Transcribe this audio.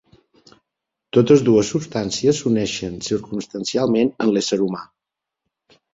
Totes dues substàncies s'uneixen circumstancialment en l'ésser humà.